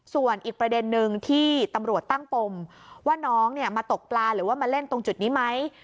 ส่วนอีกประเด็นนึงที่ตำรวจตั้งปมว่าน้องมาตกปลาหรือว่ามาเล่นตรงจุดนี้ไหม